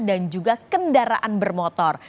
dan juga kendaraan bermotor